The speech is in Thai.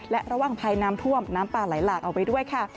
และระหว่างภัยน้ำท่วมน้ำป่าไหลหลากออกไปด้วยค่ะ